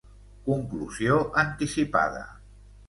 Conclusió anticipada